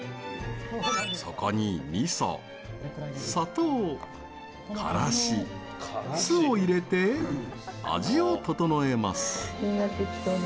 そこに味噌、砂糖、カラシ酢を入れて、味を整えます。